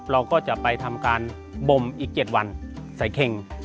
เราก็จะไปทำการบมอีก๗วันใส่เข่ง